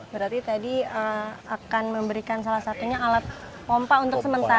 berarti tadi akan memberikan salah satunya alat pompa untuk sementara